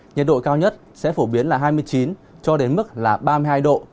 nhiệt độ cao nhất sẽ phổ biến là hai mươi chín cho đến mức là ba mươi hai độ